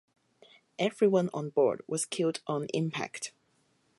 Everyone on board was killed on impact.